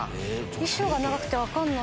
衣装が長くて分かんない。